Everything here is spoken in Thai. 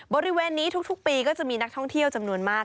บริเวณนี้ทุกปีก็จะมีนักท่องเที่ยวจำนวนมาก